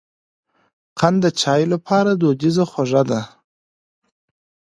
قند د چای لپاره دودیزه خوږه ده.